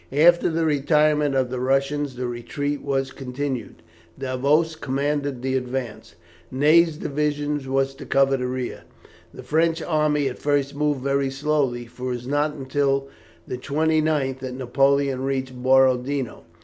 After the retirement of the Russians the retreat was continued. Davoust commanded the advance; Ney's division was to cover the rear. The French army at first moved very slowly, for it was not until the 29th that Napoleon reached Borodino.